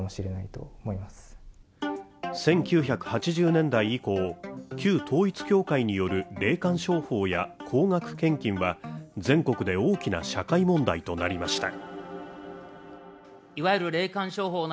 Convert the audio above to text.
１９８０年代以降、旧統一教会による霊感商法や高額献金は全国で大きな社会問題となりました。